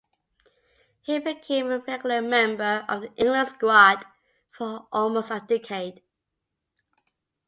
He became a regular member of the England squad for almost a decade.